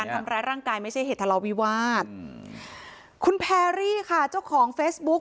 ทำร้ายร่างกายไม่ใช่เหตุทะเลาวิวาสคุณแพรรี่ค่ะเจ้าของเฟซบุ๊ก